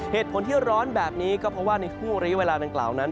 เหตุผลที่ร้อนแบบนี้ก็เพราะว่าในห่วงระยะเวลาดังกล่าวนั้น